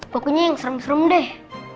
pokoknya yang serem serem deh